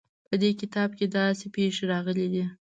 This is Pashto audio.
په دې کتاب کې داسې پېښې راغلې دي.